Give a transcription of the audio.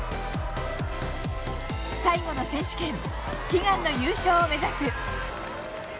最後の選手権悲願の優勝を目指す。